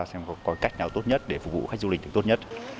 xem có cách nào tốt nhất để phục vụ khách du lịch được tốt nhất